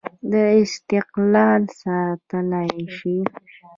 استقلال ساتلای شي.